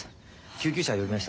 救急車呼びました。